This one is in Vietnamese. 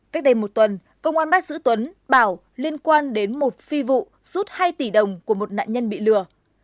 cách đây một tuần công an bắt giữ tuấn bảo liên quan đến một phi vụ rút hai tỷ đồng của một nạn nhân bị lừa